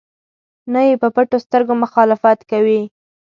نه یې په پټو سترګو مخالفت کوي.